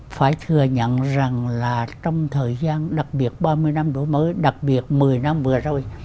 phải thừa nhận rằng là trong thời gian đặc biệt ba mươi năm đổi mới đặc biệt một mươi năm vừa rồi